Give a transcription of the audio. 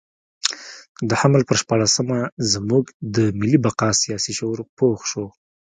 د حمل پر شپاړلسمه زموږ د ملي بقا سیاسي شعور پوخ شو.